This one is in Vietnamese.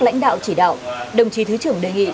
lãnh đạo chỉ đạo đồng chí thứ trưởng đề nghị